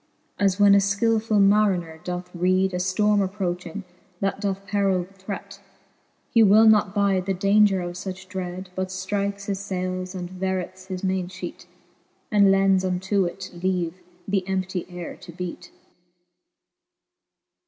As when a {killfull mariner doth reed A ftorme approching, that doth perill threat, He will not bide the idaunger of fuch dread, But ftrikes his fayles, and vereth his mainfheat, And lends unto it leave the emptie ayre to beat : XIX.